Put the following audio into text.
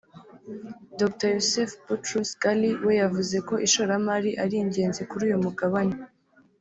Dr Youssef Boutros Ghali we yavuze ko ishoramari ari ingenzi kuri uyu mugabane